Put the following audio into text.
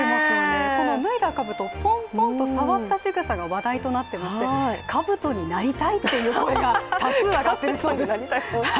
この脱いだかぶとをポンポンと触った姿が話題となっていましてかぶとになりたいという声が多数上がっているそうです。